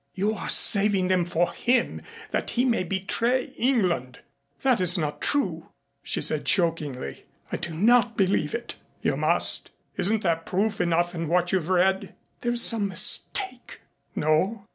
You are saving them for him, that he may betray England." "That is not true," she said chokingly. "I do not believe it." "You must. Isn't there proof enough in what you have read?" "There is some mistake." "No.